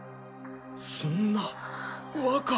そんな若。